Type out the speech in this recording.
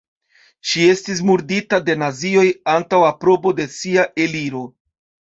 Ŝi estis murdita de nazioj antaŭ aprobo de sia eliro.